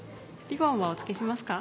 リボンはお付けしますか？